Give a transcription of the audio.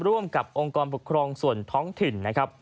ร่วมกับองค์กรปกครองส่วนท้องถิ่นนะครับ